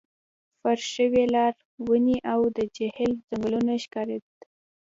فرش شوي لار، ونې، او د جهیل څنګلوری ښکارېد.